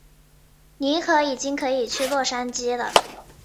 尼可已经可以去洛杉矶了。